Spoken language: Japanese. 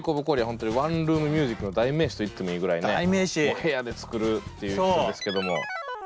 本当にワンルーム☆ミュージックの代名詞と言ってもいいぐらいね部屋で作るということですけども。